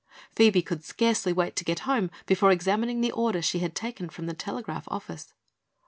Phoebe could scarcely wait to get home before examining the order she had taken from the telegraph office.